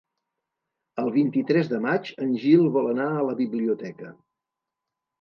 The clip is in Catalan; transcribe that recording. El vint-i-tres de maig en Gil vol anar a la biblioteca.